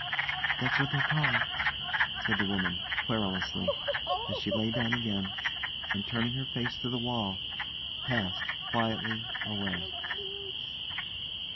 "That's what they call it," said the woman, querulously, as she lay down again and, turning her face to the wall, passed quietly away.